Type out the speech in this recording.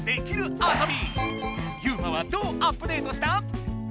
ユウマはどうアップデートした？